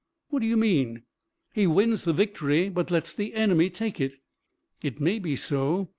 "What do you mean?" "He wins the victory, but lets the enemy take it." "It may be so.